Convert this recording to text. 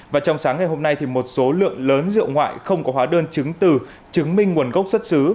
và trong sáng ngày hôm nay một số lượng lớn rượu ngoại không có hóa đơn chứng từ chứng minh nguồn gốc xuất xứ